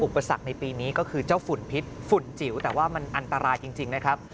อุปสรรคในปีนี้ก็คือเจ้าฝุ่นพิษฝุ่นจิ๋วแต่ว่ามันอันตรายจริงนะครับ